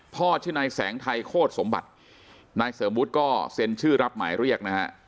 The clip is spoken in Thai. ชื่อนายแสงไทยโคตรสมบัตินายเสริมวุฒิก็เซ็นชื่อรับหมายเรียกนะฮะ